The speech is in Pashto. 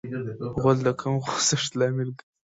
غول د کم خوځښت لامل کېږي.